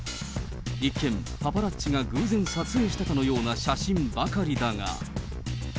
一見、パパラッチが偶然撮影したかのような写真ばかりだが。